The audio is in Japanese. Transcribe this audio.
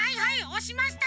おしましたよ！